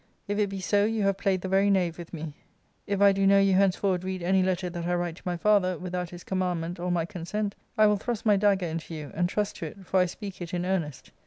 If it be so, you have played the very knave with me, .. If I do know you henceforward read any letter that I write to my father, without his commandment or my consent, I will thrust my dagger into you : and trust to it, for I speak it in earnest.